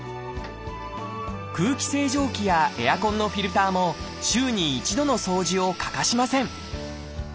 空気清浄機やエアコンのフィルターも週に一度の掃除を欠かしません。